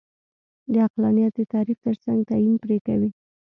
د عقلانیت د تعریف ترڅنګ تعین پرې کوي.